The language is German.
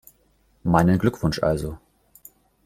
Meinen Glückwunsch also.